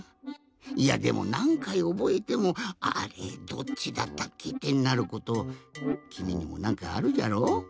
いやでもなんかいおぼえても「あれどっちだったっけ？」ってなることきみにもなんかあるじゃろ？